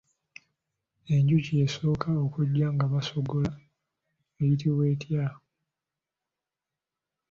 Enjuki esooka okujja nga basogola eyitibwa etya?